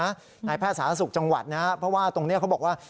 นายแพทย์สาธารณสุขจังหวัดนะครับเพราะว่าตรงนี้เขาบอกว่า